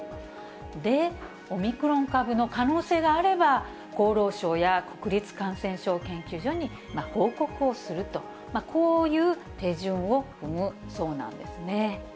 で、オミクロン株の可能性があれば、厚労省や国立感染症研究所に報告をすると、こういう手順を踏むそうなんですね。